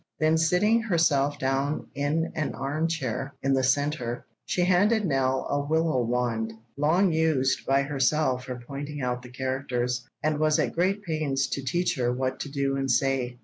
Then sitting herself down in an armchair in the centre, she handed Nell a willow wand, long used by herself for pointing out the characters, and was at great pains to teach her what to do and say.